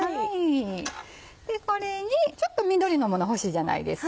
これにちょっと緑のもの欲しいじゃないですか。